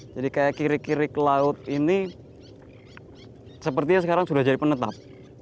jadi kayak kirik kirik laut ini sepertinya sekarang sudah jadi penetap